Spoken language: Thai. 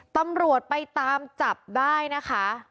ตำรวจไปตามจับได้นะคะ